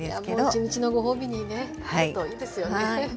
一日のご褒美にねちょっといいですよね。